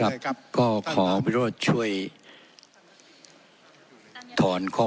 ขอประท้วงครับขอประท้วงครับขอประท้วงครับ